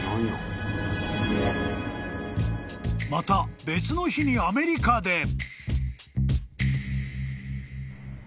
［また別の日にアメリカで］